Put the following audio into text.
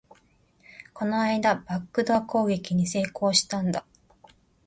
この間、バックドア攻撃に成功したんだ